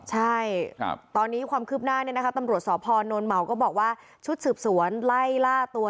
ใช่ตอนนี้ความคืบหน้าเนี่ยนะคะตำรวจสพนเหมาก็บอกว่าชุดสืบสวนไล่ล่าตัว